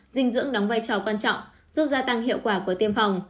dinh dưỡng đóng vai trò quan trọng giúp gia tăng hiệu quả của tiêm phòng